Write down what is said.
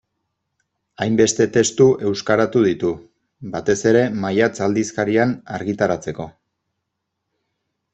Hainbeste testu euskaratu ditu, batez ere Maiatz aldizkarian argitaratzeko.